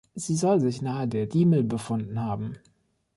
Sie soll sich nahe der Diemel befunden haben.